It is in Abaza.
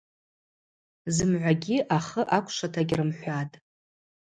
Зымгӏвагьи ахы аквшвата гьрымхӏватӏ.